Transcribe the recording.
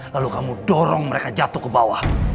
lalu kamu dorong mereka jatuh ke bawah